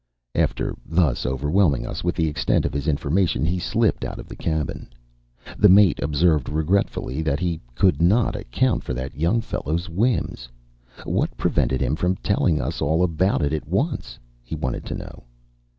After thus overwhelming us with the extent of his information he slipped out of the cabin. The mate observed regretfully that he "could not account for that young fellow's whims." What prevented him telling us all about it at once, he wanted to know.